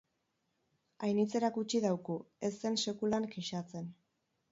Ainitz erakutsi dauku, ez zen sekulan kexatzen.